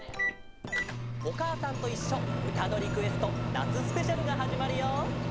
「おかあさんといっしょうたのリクエストなつスペシャル」がはじまるよ！